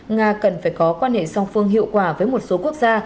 nga cần phải có quan hệ song phương hiệu quả với một số quốc gia